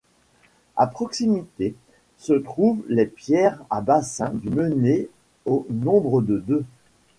À proximité, se trouvent les pierres à bassin du Mené au nombre de deux.